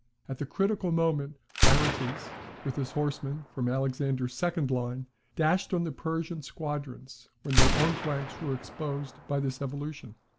At the critical moment, Aretes, with his horsemen from Alexander's second line, dashed on the Persian squadrons when their own flanks were exposed by this evolution.